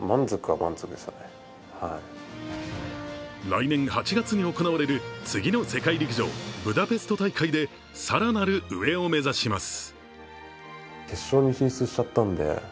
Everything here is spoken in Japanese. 来年８月に行われる次の世界陸上・ブダペスト大会で更なる上を目指します。